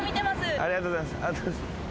ありがとうございます。